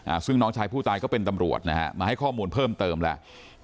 ซึ่งน้องชายผู้ตายก็เป็นตำรวจนะฮะมาให้ข้อมูลเพิ่มเติมแล้ว